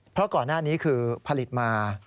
เพราะก่อนหน้านี้คือผลิตมา